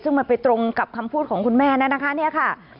ซึ่งมันไปตรงกับคำพูดของคุณแม่นะคะเนี่ยค่ะ